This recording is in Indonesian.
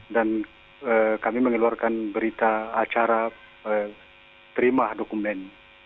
dan kami mengeluarkan berita acara terima dokumen